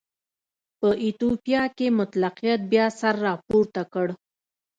په ایتوپیا کې مطلقیت بیا سر راپورته کړ.